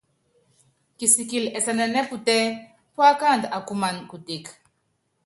Kisikili ɛsɛnɛnɛ́ putɛ́, púákandu akumana kutek.